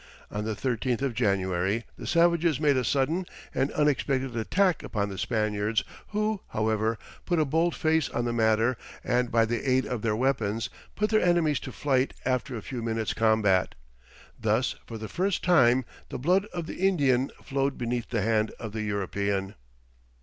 On the 13th of January the savages made a sudden and unexpected attack upon the Spaniards, who, however, put a bold face on the matter, and by the aid of their weapons, put their enemies to flight after a few minutes' combat. Thus, for the first time, the blood of the Indian flowed beneath the hand of the European.